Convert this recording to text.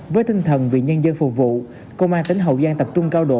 với tinh thần vì nhân dân phục vụ công an tỉnh hậu giang tập trung cao độ